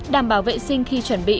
đảm bảo vệ sinh khi chuẩn bị